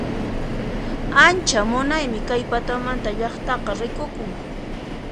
Ancha munaymi kay patamanta llaqtaqa rikukun